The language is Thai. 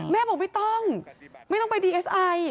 แม่บอกไม่ต้องไม่ต้องไปดีเอสไอ